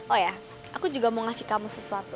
oh ya aku juga mau ngasih kamu sesuatu